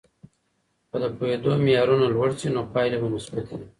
که د پوهیدو معیارونه لوړ سي، نو پایلې به مثبتې وي.